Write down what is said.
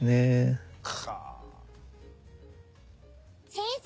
先生！